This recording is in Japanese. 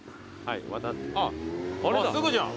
すぐじゃん。